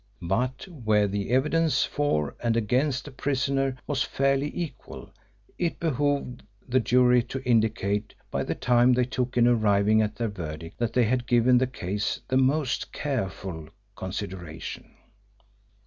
But where the evidence for and against the prisoner was fairly equal it behoved the jury to indicate by the time they took in arriving at their verdict that they had given the case the most careful consideration.